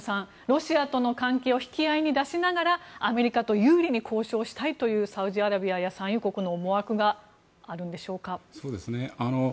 ロシアとの関係を引き合いに出しながらアメリカと有利に交渉したいというサウジアラビアや産油国の思惑があるんでしょうか。